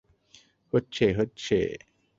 হচ্ছে, হচ্ছে।